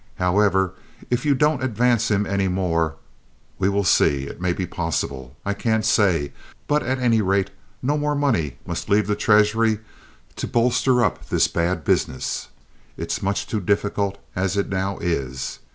However, if you don't advance him any more—we will see. It may be possible, I can't say, but at any rate, no more money must leave the treasury to bolster up this bad business. It's much too difficult as it now is."